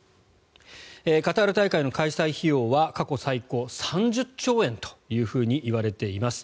カタール大会の開催費用は過去最高、３０兆円というふうに言われています。